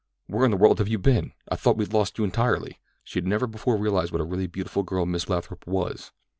"Where in the world have you been? I thought we'd lost you entirely." She had never before realized what a really beautiful girl Miss Lathrop was.